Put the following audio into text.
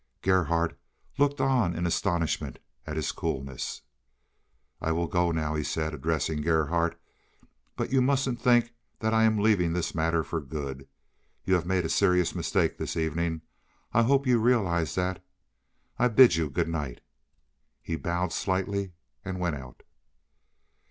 Gerhardt looked on in astonishment at his coolness. "I will go now," he said, again addressing Gerhardt, "but you mustn't think that I am leaving this matter for good. You have made a serious mistake this evening. I hope you will realize that. I bid you goodnight." He bowed slightly and went out.